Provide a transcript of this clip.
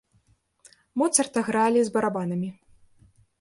Моцарта гралі з барабанамі.